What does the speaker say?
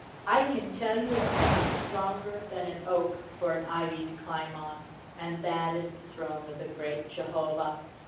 I can tell you of something stronger than an oak for an ivy to climb on, and that is the throne of the great Jehovah.